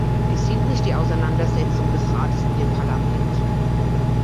Es sind nicht die Auseinandersetzungen des Rates mit dem Parlament.